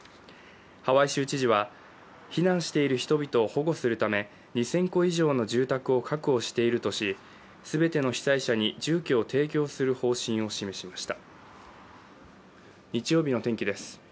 ハワイ州知事は、避難している人々を保護するため２０００戸以上の住宅を確保しているとし全ての被災者に住居を提供する方針を示しました。